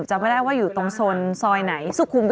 เจ๊ไป๋ไม่ได้